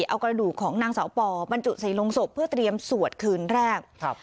เอากระดูกของนางสาวปอบรรจุใส่ลงศพเพื่อเตรียมสวดคืนแรกครับ